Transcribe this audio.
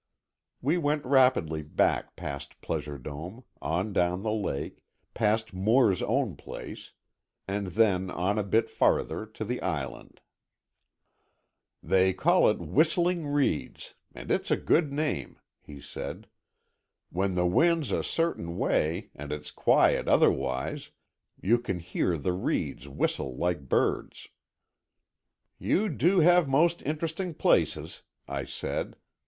We went rapidly back past Pleasure Dome, on down the lake, past Moore's own place, and then on a bit farther to the Island. "They call it 'Whistling Reeds', and it's a good name," he said. "When the wind's a certain way, and it's quiet otherwise, you can hear the reeds whistle like birds." "You do have most interesting places," I said.